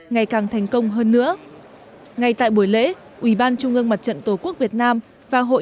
ngày càng thành công hơn nữa ngay tại buổi lễ ủy ban trung ương mặt trận tổ quốc việt nam và hội